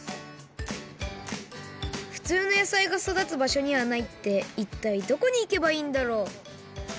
ふつうの野菜がそだつ場所にはないっていったいどこにいけばいいんだろう？